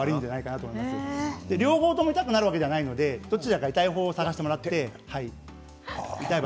両方とも痛くなるわけではないのでどちらか痛い方を探してもらえれば。